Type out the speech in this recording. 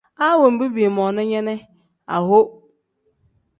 A wenbi biimoona nya ne aho.